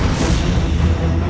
aku akan menang